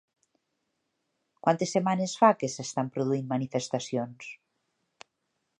Quantes setmanes fa que s'estan produint manifestacions?